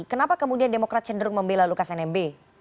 kenapa kemudian demokrat cenderung membela lukas nmb